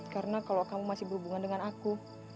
karena kalau kamu masih berhubungan dengan aku